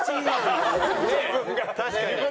確かに。